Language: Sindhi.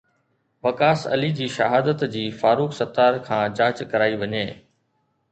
وقاص علي جي شهادت جي فاروق ستار کان جاچ ڪرائي وڃي